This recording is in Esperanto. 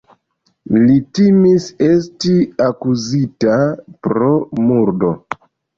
Li timis esti akuzita pro murdo.